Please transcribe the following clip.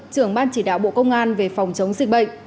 trưởng ban chỉ đạo bộ công an về phòng chống dịch bệnh